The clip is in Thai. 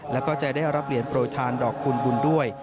แล้วก็จะได้รับเหรียญโปรยทานดอกคูณบุญด้วย